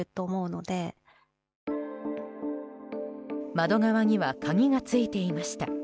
窓側には鍵が付いていました。